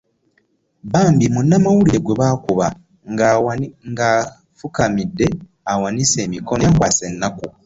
Bambi munnamawulire gwe baakuba ng'afukamidde awanise emikono yankwasa ennaku.